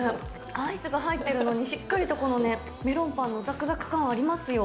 アイスが入っているのにしっかりとこのね、メロンパンのざくざく感がありますよ。